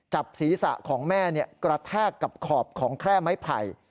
จับศีรษะของแม่กระแทกกับขอบของแคร่ไม้ไผ่